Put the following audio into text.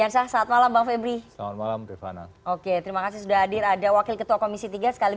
selamat malam mas ali